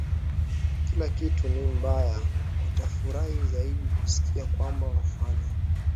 kila kitu ni mbaya watafurahi zaidi kusikia kwamba wanafanya